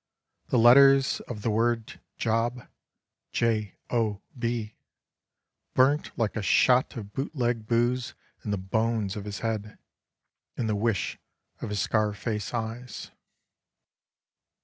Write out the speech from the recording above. The letters of the word JOB, " J O B," Burnt like a shot of bootleg booze In the bones of his head — In the wish of his scar face eyes.